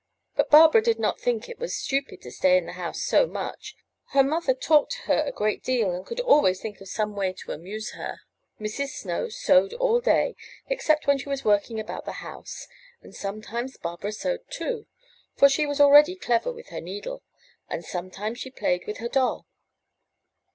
But Barbara did not think it was stupid to stay in the house so much; her mother talked to her a great deal and could always think of some way to amuse her. Mrs. Snow sewed all day except when she was working about the house, and some times Barbara sewed too, for she was already clever with her needle, and sometimes she played with her doll.